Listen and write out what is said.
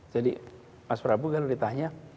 jadi mas prabu kan ditanya